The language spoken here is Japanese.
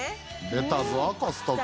出たぞコストコ。